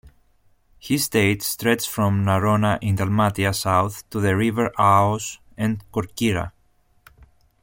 His state stretched from Narona in Dalmatia south to the river Aoos and Korkyra.